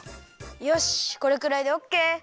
よしこれくらいでオッケー。